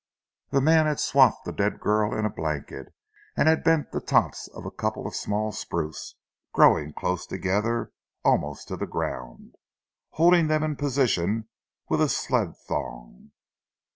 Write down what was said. The man had swathed the dead girl in a blanket and had bent the tops of a couple of small spruce, growing close together, almost to the ground, holding them in position with a sled thong.